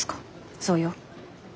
そうよ。